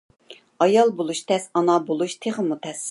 ئايال بولۇش تەس، ئانا بولۇش تېخىمۇ تەس.